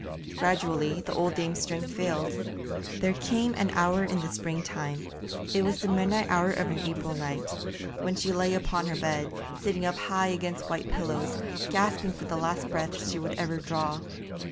Gradually the old dame's strength failed. There came an hour in the spring time it was the midnight hour of an April night when she lay upon her bed, sitting up high against white pillows, gasping for the last breaths that she would ever draw.